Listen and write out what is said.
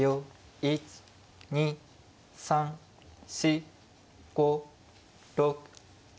１２３４５６７。